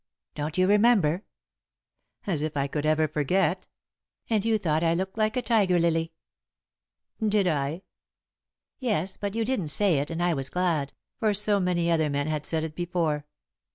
Don't you remember?" "As if I could ever forget!" "And you thought I looked like a tiger lily." "Did I?" "Yes, but you didn't say it and I was glad, for so many other men had said it before."